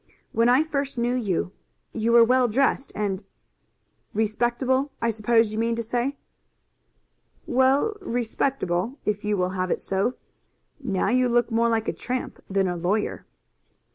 When I first knew you, you were well dressed and " "Respectable, I suppose you mean to say?" "Well, respectable, if you will have it so. Now you look more like a tramp than a lawyer."